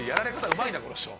うまいなこの人。